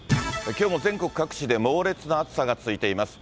きょうも全国各地で猛烈な暑さが続いています。